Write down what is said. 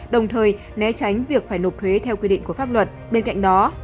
đồng thời né tránh việc phải nộp thuế theo quy định của pháp luật